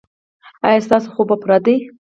ایا ستاسو خوب پوره دی؟